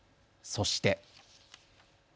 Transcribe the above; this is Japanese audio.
そして。